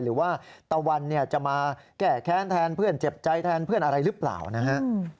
หรือว่าตะวันเนี่ยจะมาแก้แค้นแทนเพื่อนเจ็บใจแทนเพื่อนอะไรหรือเปล่านะฮะ